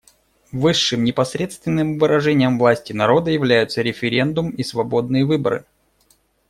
Высшим непосредственным выражением власти народа являются референдум и свободные выборы.